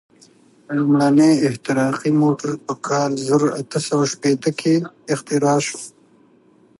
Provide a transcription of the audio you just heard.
لومړنی احتراقي موټر په کال زر اته سوه شپېته کې اختراع شو.